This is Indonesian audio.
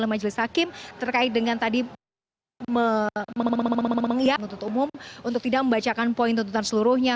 sampai ke majelis hakim terkait dengan tadi mengiak nuntut umum untuk tidak membacakan poin tuntutan seluruhnya